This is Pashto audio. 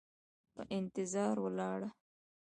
په انتظار ولاړه